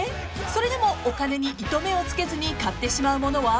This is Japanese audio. ［それでもお金に糸目をつけずに買ってしまうものは？］